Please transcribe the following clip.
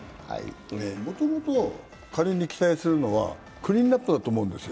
もともと期待するのはクリーンアップだと思うんですよ。